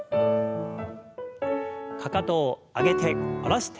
かかとを上げて下ろして上げて。